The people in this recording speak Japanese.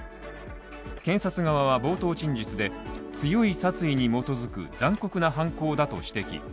検察側は冒頭陳述で、強い殺意に基づく残酷な犯行だと指摘。